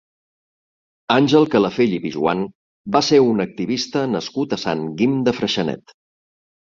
Àngel Calafell i Pijoan va ser un activista nascut a Sant Guim de Freixenet.